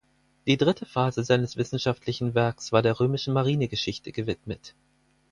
Die dritte Phase seines wissenschaftlichen Werks war der römischen Marinegeschichte gewidmet.